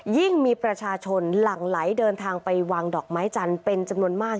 ยิ่งมีประชาชนหลั่งไหลเดินทางไปวางดอกไม้จันทร์เป็นจำนวนมาก